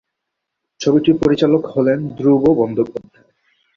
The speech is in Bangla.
ছবিটির পরিচালক হলেন ধ্রুব বন্দ্যোপাধ্যায়।